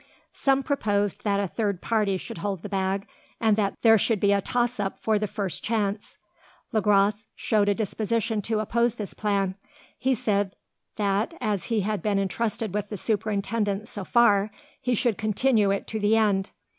Some proposed that a third party should hold the bag, and that there should be a toss up for the first chance. Le Gros showed a disposition to oppose this plan. He said that, as he had been intrusted with the superintendence so far, he should continue it to the end.